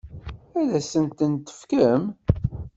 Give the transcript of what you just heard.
Ad asent-ten-tefkem?